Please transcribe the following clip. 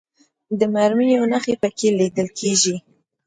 د مرمیو نښې په کې لیدل کېږي.